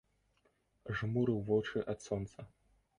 Жмурыў вочы ад сонца.